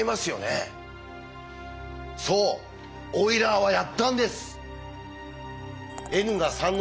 そうオイラーはやったんです！